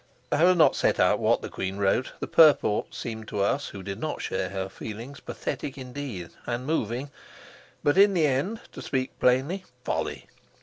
I will not set out what the queen wrote. The purport seemed to us, who did not share her feelings, pathetic indeed and moving, but in the end (to speak plainly) folly.